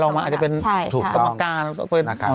ลองมาอาจจะเป็นต้องกรรมการต้องเป็นพนักงาน